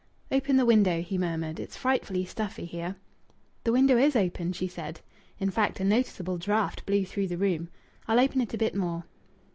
"Open the window," he murmured. "It's frightfully stuffy here." "The window is open," she said. In fact, a noticeable draught blew through the room. "I'll open it a bit more."